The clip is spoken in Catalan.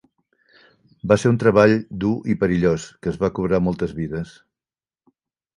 Va ser un treball dur i perillós que es va cobrar moltes vides.